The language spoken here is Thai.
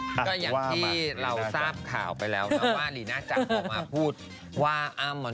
ก็อย่างที่เราทราบข่าวไปแล้วนะว่าลีน่าจังออกมาพูดว่าอ้ำ